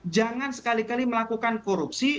jangan sekali kali melakukan korupsi